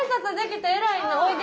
おいで。